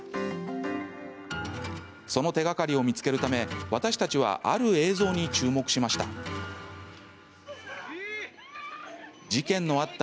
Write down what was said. その手がかりを見つけるため私たちはある映像に注目しました。